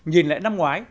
nhìn lại năm ngoái